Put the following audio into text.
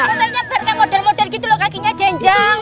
fotoinnya berarti model model gitu loh kakinya jenjang